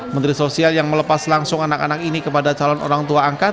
menteri sosial yang melepas langsung anak anak ini kepada calon orang tua angkat